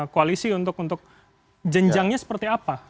koalisi untuk jenjangnya seperti apa